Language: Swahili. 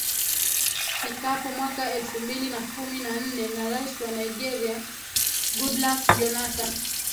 fikapo mwaka elfu mbili na kumi na nne na rais wa nigeria goodluck jonathan